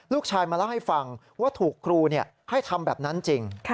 ลูกชายมาเล่าให้ฟังว่าถูกครูให้ทำแบบนั้นจริง